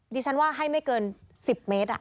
ดิฉันว่าให้ไม่เกิน๑๐เมตร